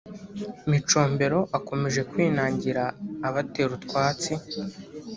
Micombero akomeje kwinangira abatera utwatsi